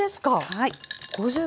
はい。